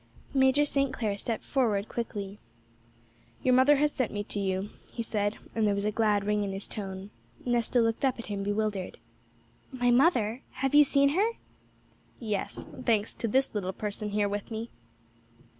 Major St. Clair stepped forward quickly. 'Your mother has sent me to you,' he said; and there was a glad ring in his tone. Nesta looked up at him bewildered. 'My mother! Have you seen her?' 'Yes; thanks to this little person here with me.'